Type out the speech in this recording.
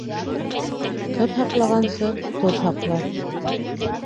Ҡыҙ һаҡлағансы, тоҙ һаҡла.